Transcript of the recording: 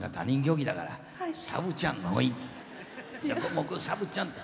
僕はサブちゃんって。